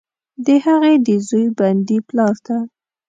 د هغې، د زوی، بندي پلارته،